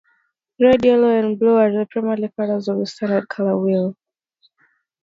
Red, yellow, and blue are the primary colors of the standard color "wheel".